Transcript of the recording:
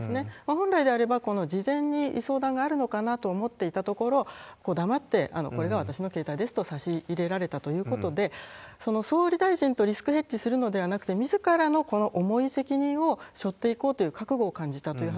本来であれば、事前に相談があるのかなと思っていたところ、黙って、これが私の携帯ですと差し入れられたということで、総理大臣とリスクヘッジするのではなくて、みずからのこの重い責任をしょっていこうという覚悟を感じたとい